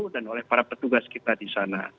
dan oleh para petugas kita di sana